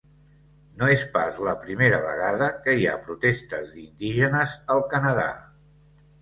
No és pas la primera vegada que hi ha protestes d’indígenes al Canadà.